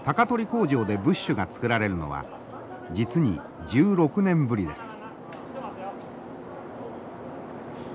工場でブッシュがつくられるのは実に１６年ぶりです。